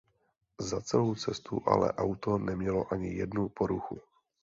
Za celou cestu ale auto nemělo ani jednu poruchu.